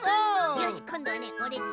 よしこんどはねオレっち